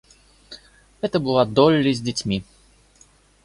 Это была Долли с детьми.